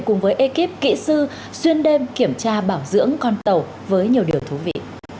cùng với ekip kỹ sư xuyên đêm kiểm tra bảo dưỡng con tàu với nhiều điều thú vị